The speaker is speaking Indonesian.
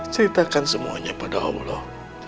ceritakan semuanya pada allah